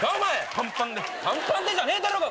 「パンパンで」じゃねえだろうが！